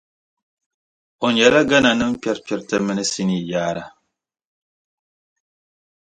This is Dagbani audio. O nyɛla Ghana nima kpɛrikpɛrita mini sinii yaara.